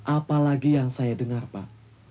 apalagi yang saya dengar pak